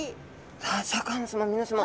さあシャーク香音さま皆さま。